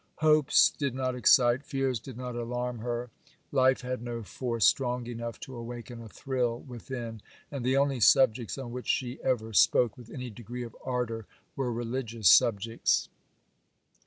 Hopes did not excite, fears did not alarm her; life had no force strong enough to awaken a thrill within; and the only subjects on which she ever spoke with any degree of ardour were religious subjects.